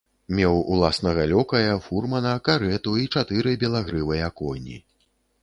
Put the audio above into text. Меў уласнага лёкая, фурмана, карэту і чатыры белагрывыя коні.